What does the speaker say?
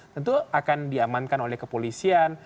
tentu akan diamankan oleh kepolisian